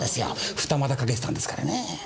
二股かけてたんですからね。